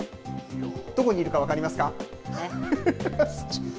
どこにいるか分かりますか。